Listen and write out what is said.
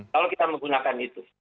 kalau kita menggunakan itu